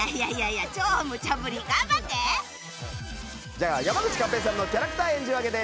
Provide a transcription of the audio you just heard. じゃあ山口勝平さんのキャラクター演じ分けです。